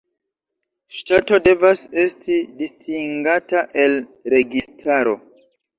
Ŝtato devas esti distingata el registaro.